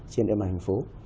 trên địa bàn thành phố